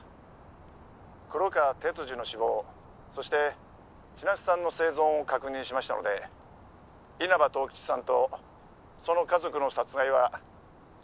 「黒川徹二の死亡そしてちなつさんの生存を確認しましたので稲葉十吉さんとその家族の殺害はキャンセルとさせて頂きます」